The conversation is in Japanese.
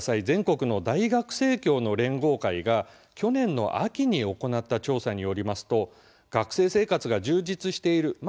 全国の大学生協の連合会が去年の秋に行った調査によりますと学生生活が「充実している」